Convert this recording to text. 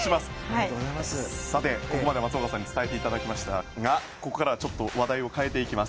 ここまで松岡さんに伝えてもらいましたがここからは話題を変えていきます。